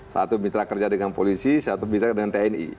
satu mitra kerja dengan polisi satu mitra kerja dengan tni